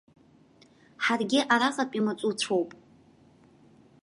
Ҳаргьы араҟатәи маҵуцәоуп!